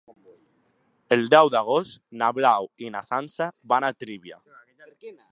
El deu d'agost na Blau i na Sança van a Tírvia.